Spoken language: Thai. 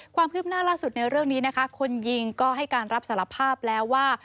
ความคืบหน้าล่าสุดในเรื่องนี้นะคะคนยิงก็ให้การรับสารภาพแล้วว่า